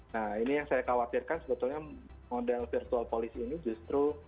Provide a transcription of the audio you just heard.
nah ini yang saya khawatirkan sebetulnya model virtual polisi ini justru